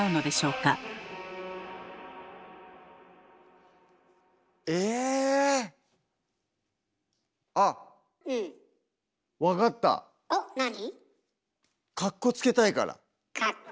かっこつけたいから。